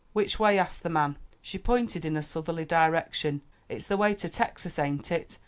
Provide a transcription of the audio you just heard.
"Which way?" asked the man. She pointed in a southerly direction. "It's the way to Texas, ain't it?